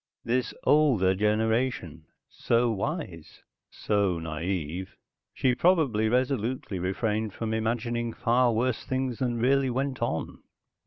This older generation so wise, so naive. She probably resolutely refrained from imagining far worse things than really went on.